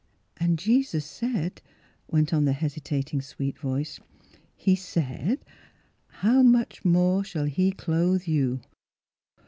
" And Jesus said," went on the hestita ting, sweet voice, " He said, ' how much ' more shall he clothe you.'